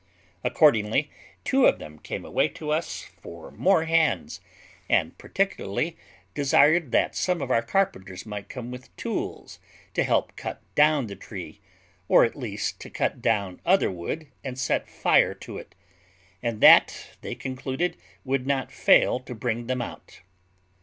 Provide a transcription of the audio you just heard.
Accordingly, two of them came away to us for more hands, and particularly desired that some of our carpenters might come with tools, to help to cut down the tree, or at least to cut down other wood and set fire to it; and that, they concluded, would not fail to bring them out.